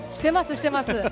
してます。